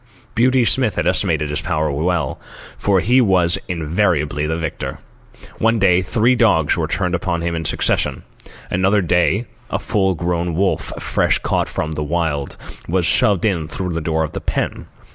Beauty Smith had estimated his powers well, for he was invariably the victor. One day, three dogs were turned in upon him in succession. Another day a full grown wolf, fresh caught from the Wild, was shoved in through the door of the pen.